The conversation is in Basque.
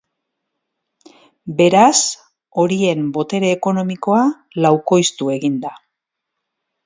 Beraz, horien botere ekonomikoa laukoiztu egin da.